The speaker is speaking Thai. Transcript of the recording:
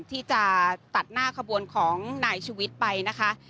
ที่จะตัดหน้าขบวนของนายชุวิตไปนะคะ